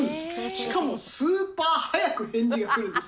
しかもスーパー早く返事が来るんです。